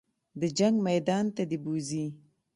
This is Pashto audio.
د جنګ میدان ته دې بوځي.